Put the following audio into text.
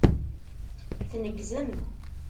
Tneggzem.